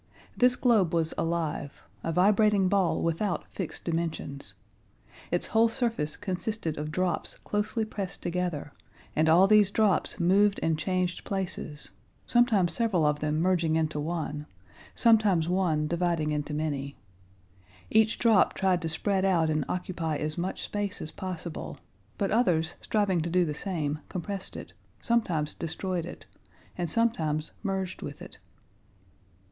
This globe was alive—a vibrating ball without fixed dimensions. Its whole surface consisted of drops closely pressed together, and all these drops moved and changed places, sometimes several of them merging into one, sometimes one dividing into many. Each drop tried to spread out and occupy as much space as possible, but others striving to do the same compressed it, sometimes destroyed it, and sometimes merged with it.